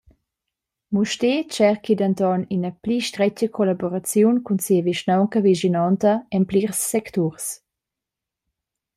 Mustér tscherchi denton ina pli stretga collaboraziun cun sia vischnaunca vischinonta en plirs secturs.